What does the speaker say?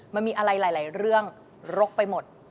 มันมีอะไรหลายเรื่องรกไปหมด